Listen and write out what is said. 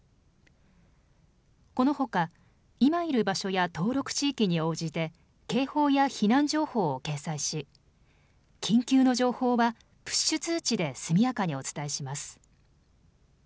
このほか、今いる場所や登録地域に応じて警報や避難情報を掲載し緊急の情報はプッシュ通知で速やかにお伝えします。